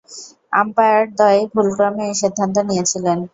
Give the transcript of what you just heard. আম্পায়ারদ্বয় ভুলক্রমে এ সিদ্ধান্ত নিয়েছিলেন।